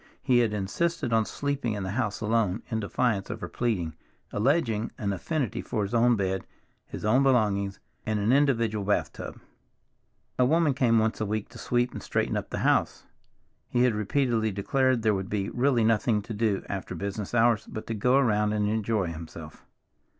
He had insisted on sleeping in the house alone, in defiance of her pleading, alleging an affinity for his own bed, his own belongings, and an individual bath tub. A woman came once a week to sweep and straighten up the house. He had repeatedly declared there would be really nothing to do after business hours but to go around and enjoy himself.